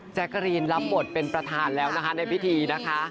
กรีนรับบทเป็นประธานแล้วนะคะในพิธีนะคะ